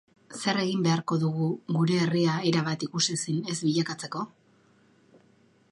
Zer egin beharko dugu gure herria erabat ikusezin ez bilakatzeko?